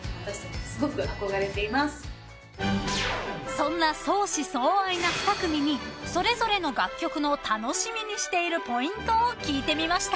［そんな相思相愛な２組にそれぞれの楽曲の楽しみにしているポイントを聞いてみました］